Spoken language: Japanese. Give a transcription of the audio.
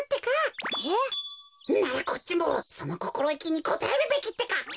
ならこっちもそのこころいきにこたえるべきってか！